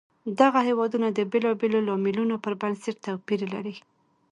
دغه هېوادونه د بېلابېلو لاملونو پر بنسټ توپیر لري.